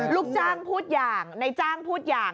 ลูกจ้างพูดอย่างในจ้างพูดอย่าง